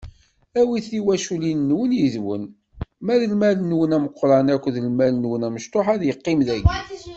Awit tiwaculin-nwen yid-wen, ma d lmal-nwen ameqran akked lmal-nwen amecṭuḥ ad iqqim dagi.